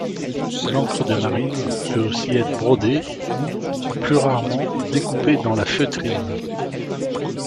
L'ancre de marine peut aussi être brodée ou, plus rarement, découpée dans la feutrine.